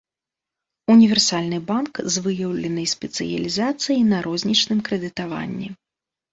Універсальны банк, з выяўленай спецыялізацыяй на рознічным крэдытаванні.